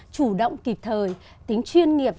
chủ động kịp thời tính chuyên nghiệp